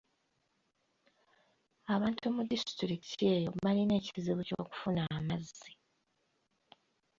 Abantu mu disitulikiti eyo balina ekizibu ky'okufuna amazzi.